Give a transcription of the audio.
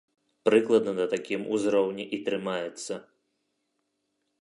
Прыкладна на такім узроўні і трымаецца.